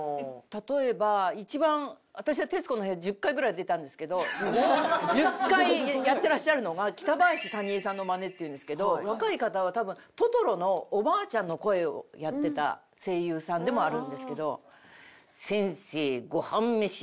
例えば一番私は１０回やってらっしゃるのが北林谷栄さんのマネっていうんですけど若い方は多分『トトロ』のおばあちゃんの声をやってた声優さんでもあるんですけど。